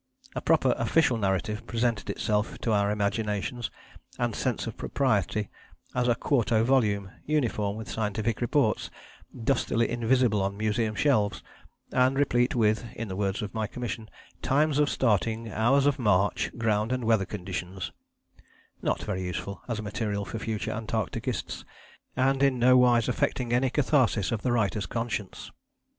A proper Official Narrative presented itself to our imaginations and sense of propriety as a quarto volume, uniform with the scientific reports, dustily invisible on Museum shelves, and replete with in the words of my Commission "times of starting, hours of march, ground and weather conditions," not very useful as material for future Antarcticists, and in no wise effecting any catharsis of the writer's conscience.